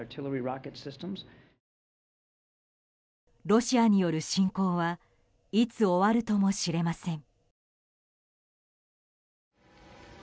ロシアによる侵攻はいつ終わるともしれません。